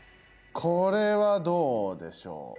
これはどうでしょう？